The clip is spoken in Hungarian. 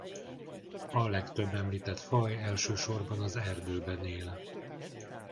A legtöbb említett faj elsősorban az erdőben él.